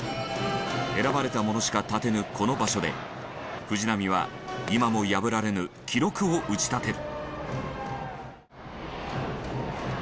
選ばれた者しか立てぬこの場所で藤浪は今も破られぬ記録を打ち立てる。